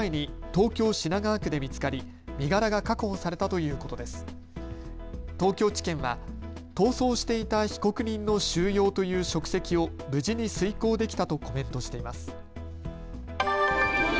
東京地検は逃走していた被告人の収容という職責を無事に遂行できたとコメントしています。